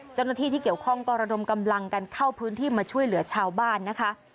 เจ้าหน้าที่ที่เกี่ยวข้องก็ระดมกำลังกันเข้าพื้นที่มาช่วยเหลือชาวบ้านนะคะ